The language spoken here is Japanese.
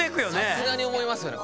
さすがに思いますよね